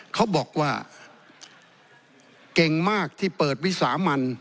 เขาบอกว่าเก่งมากที่เปิดวิสามัน